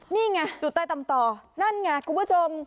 นี่ไงอยู่ใต้ตำต่อนั่นไงคุณผู้ชม